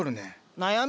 悩み？